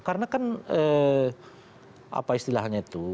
karena kan apa istilahnya itu